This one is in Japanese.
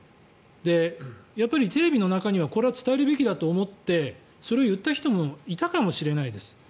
やっぱりテレビの中にはこれを伝えるべきだと思ってそれを言った人もいたかもしれないです。